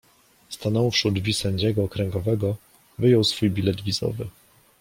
Stanąwszy u drzwi sędziego okręgowego, wyjął swój bilet wizytowy.